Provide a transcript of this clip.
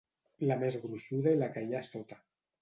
la més gruixuda i la que hi ha a sota